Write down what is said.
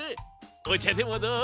おちゃでもどう？